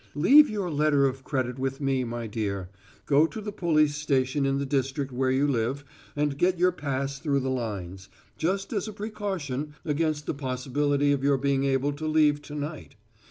Leave your letter of credit with me, my dear; go to the police station in the district where you live and get your pass through the lines, just as a precaution against the possibility of your being able to leave to night.